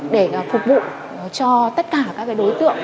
để phục vụ cho tất cả các đối tượng